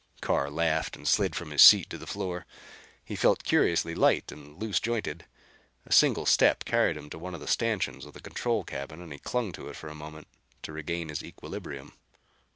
Carr laughed and slid from his seat to the floor. He felt curiously light and loose jointed. A single step carried him to one of the stanchions of the control cabin and he clung to it for a moment to regain his equilibrium.